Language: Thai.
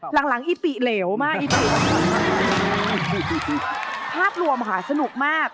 หลังหลังอีปิเหลวมากอีปิภาพรวมค่ะสนุกมาก